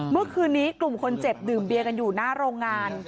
เมื่อคืนนี้กลุ่มคนเจ็บดื่มเบียกันอยู่หน้าโรงงาน